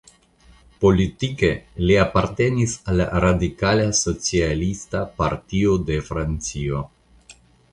Politike li apartenis al la Radikala Socialista Partio de Francio.